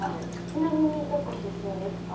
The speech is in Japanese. ちなみにどこ出身ですか？